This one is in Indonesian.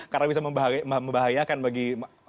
karena bisa membahayakan bagi saudara saudara kita